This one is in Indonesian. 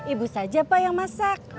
ibu saja pak yang masak